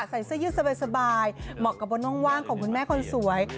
ใส่เสื้อยืดสบายเหมาะกับบนว่างของคุณแม่คนสวย